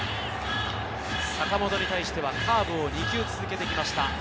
坂本に対してはカーブを２球続けてきました。